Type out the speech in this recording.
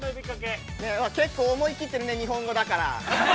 ◆結構、思い切ってるね、日本語だから。